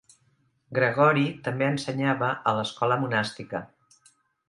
Gregori també ensenyava a l'escola monàstica.